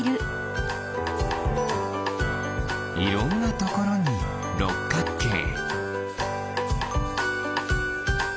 いろんなところにろっかくけい。